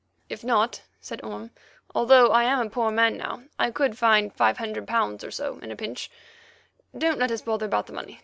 "If not," said Orme, "although I am a poor man now, I could find £500 or so in a pinch. So don't let us bother about the money.